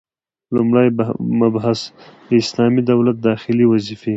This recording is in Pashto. لومړی مبحث: د اسلامي دولت داخلي وظيفي: